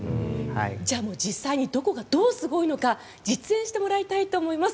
じゃあ実際にどこがどうすごいのか実演してもらいたいと思います。